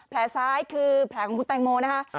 แผลซ้ายคือแผลของคุณแตงโมนะคะ